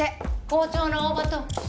校長の大場と。